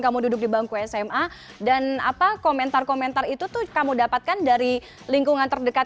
cassmanasha iya yang forget